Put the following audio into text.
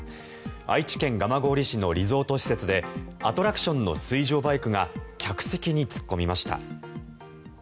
愛知県蒲郡市のリゾート施設でアトラクションの水上バイクが客席に突っ込みました。